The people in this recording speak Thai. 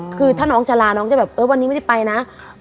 คือถ้าน้องจะลาน้องจะแบบเออวันนี้ไม่ได้ไปนะ